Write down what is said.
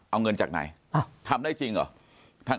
เอาเงินจากไหนทำได้จริงเหรอ